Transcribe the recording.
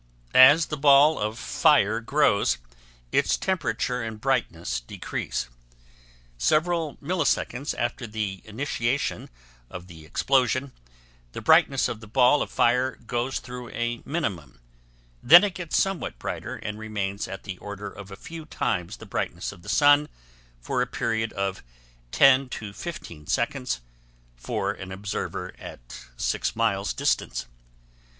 As the ball of fire grows its temperature and brightness decrease. Several milliseconds after the initiation of the explosion, the brightness of the ball of fire goes through a minimum, then it gets somewhat brighter and remains at the order of a few times the brightness of the sun for a period of 10 to 15 seconds for an observer at six miles distance.